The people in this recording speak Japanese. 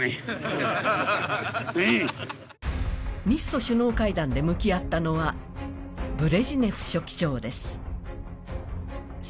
日ソ首脳会談で向き合ったのは、ブレジネフ書記長です。